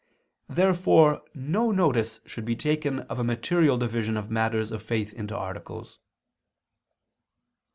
Therefore no notice should be taken of a material division of matters of faith into articles.